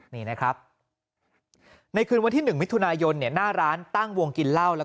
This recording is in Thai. นี่นะครับในคืนวันที่๑มิถุนายนหน้าร้านตั้งวงกินเหล้าแล้ว